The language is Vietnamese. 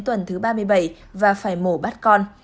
tuần thứ ba mươi bảy và phải mổ bắt con